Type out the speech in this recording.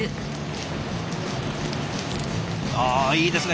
おいいですね